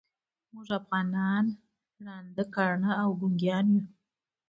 موږ افغانان ړانده، کاڼه او ګونګیان یوو.